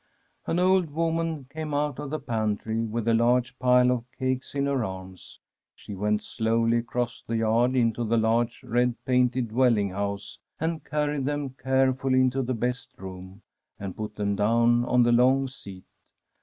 An old woman came out of the pantry with a large pile of cakes in her arms, (^e went slowly across the yard into the large re3" painted dwell ing house, and carried them carefully into the best room, and put them down on the long seat.